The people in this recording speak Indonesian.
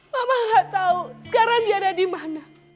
mama gak tahu sekarang dia ada dimana